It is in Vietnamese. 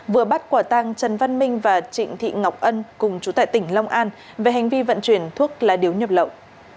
vừa bắt quả tăng trần văn minh và trịnh thị ngọc ân cùng chú tại tỉnh long an về hành vi vận chuyển thuốc lá điếu nhập lậu